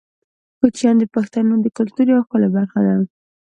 کوچیان د پښتنو د کلتور یوه ښکلې برخه ده.